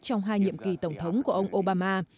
trong hai nhiệm kỳ tổng thống của ông obama